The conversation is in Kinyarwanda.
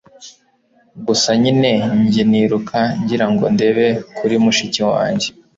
gusa nyine nje niruka ngira ngo ndebe kuri mushiki wanjye